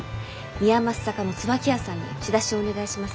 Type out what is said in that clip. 宮益坂の「椿屋」さんに仕出しお願いします。